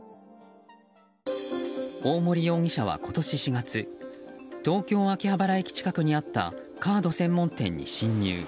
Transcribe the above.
大森容疑者は、今年４月東京・秋葉原駅近くにあったカード専門店に侵入。